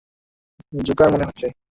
Joker মনে হচ্ছে।